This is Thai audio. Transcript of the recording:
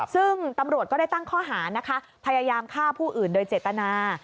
ซึ่งตำรวจก็ได้ตั้งข้อหานะคะพยายามฆ่าผู้อื่นโดยเจตนา